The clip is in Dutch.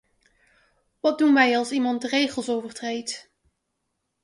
Wat doen wij als iemand de regels overtreedt?